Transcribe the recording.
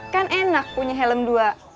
kan enak punya helm dua